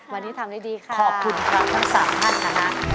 วันนี้ทำได้ดีค่ะขอบคุณครับทั้ง๓ท่านนะฮะ